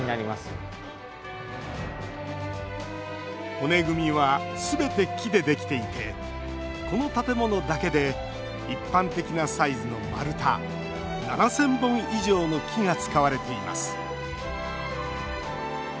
骨組みはすべて、木でできていてこの建物だけで一般的なサイズの丸太７０００本以上の木が使われています。